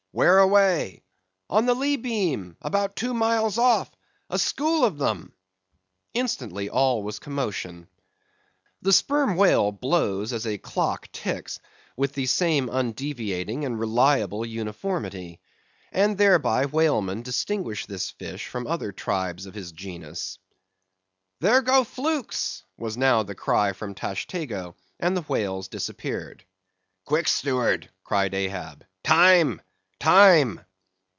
"Where away?" "On the lee beam, about two miles off! a school of them!" Instantly all was commotion. The Sperm Whale blows as a clock ticks, with the same undeviating and reliable uniformity. And thereby whalemen distinguish this fish from other tribes of his genus. "There go flukes!" was now the cry from Tashtego; and the whales disappeared. "Quick, steward!" cried Ahab. "Time! time!"